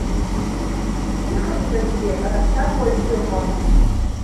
Ихынҳәызгьы рацәак уаҩ дыҟам.